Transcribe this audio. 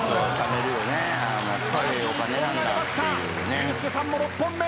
ユースケさんも６本目。